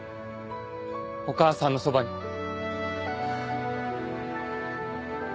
お母さんのそばに。